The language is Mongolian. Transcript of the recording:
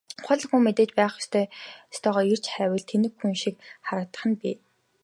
Ухаалаг хүн мэдэж байх ёстойгоо эрж хайвал тэнэг хүн шиг харагдах нь бий.